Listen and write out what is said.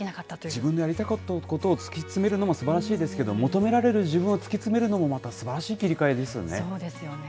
自分のやりたかったことを突き詰めるのもすばらしいですけど、求められる自分を突き詰めるのも、またすばらしい切り替えですよね。